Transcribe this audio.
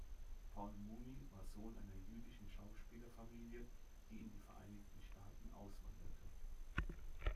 Paul Muni war Sohn einer jüdischen Schauspieler-Familie, die in die Vereinigten Staaten auswanderte.